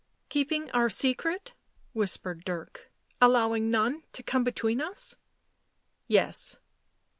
" Keeping our secret?" whispered Dirk — "allowing none to come between us?" "Yea."